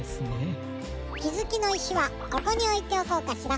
きづきのいしはここにおいておこうかしら。